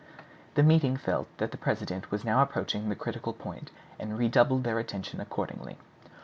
The meeting felt that the president was now approaching the critical point, and redoubled their attention accordingly.